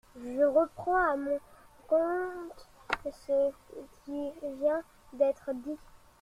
Je reprends à mon compte ce qui vient d’être dit.